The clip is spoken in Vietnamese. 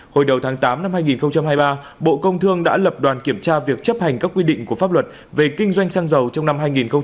hồi đầu tháng tám năm hai nghìn hai mươi ba bộ công thương đã lập đoàn kiểm tra việc chấp hành các quy định của pháp luật về kinh doanh xăng dầu trong năm hai nghìn hai mươi ba